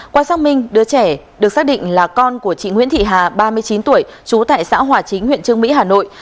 qua xác minh đứa trẻ được xác định là con của chị nguyễn thị hà ba mươi chín tuổi trú tại xã hòa chính huyện trương mỹ hà nội